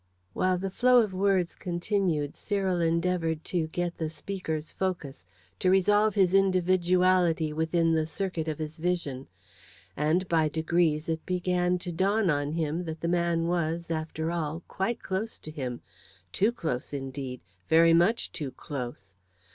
While the flow of words continued, Cyril endeavoured to get the speaker's focus to resolve his individuality within the circuit of his vision. And, by degrees, it began to dawn on him that the man was, after all, quite close to him: too close, indeed very much too close.